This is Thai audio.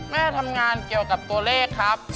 แม่ทำงานตัวเลขครับ